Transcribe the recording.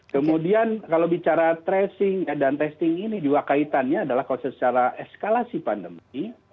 kemudian kalau bicara tracing dan testing ini juga kaitannya adalah kalau secara eskalasi pandemi